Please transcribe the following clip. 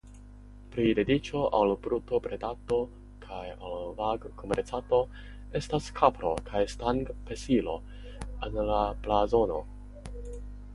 Pri dediĉo al brutobredado kaj al vagkomercado estas kapro kaj stangpesilo en la blazono.